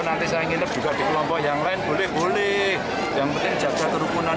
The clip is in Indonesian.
nanti saya nginep juga di kelompok yang lain boleh boleh yang penting jaga kerukunan